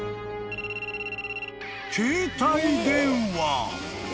［携帯電話］